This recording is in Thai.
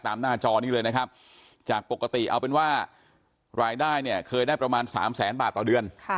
หน้าจอนี้เลยนะครับจากปกติเอาเป็นว่ารายได้เนี่ยเคยได้ประมาณ๓แสนบาทต่อเดือน